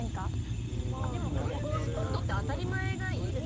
でも観光スポットって当たり前がいいですよね